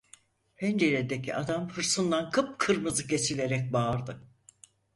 Penceredeki adam hırsından kıpkırmızı kesilerek bağırdı: